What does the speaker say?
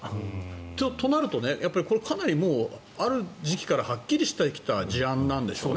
となると、かなりある時期からはっきりしてきた事案なんでしょうね。